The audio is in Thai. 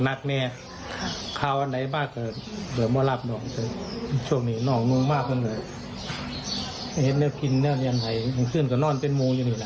นอกสติสองคนจะนอนเดือนใหม่หม